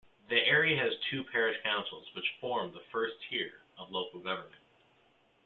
The area has two parish councils which form the first tier of local government.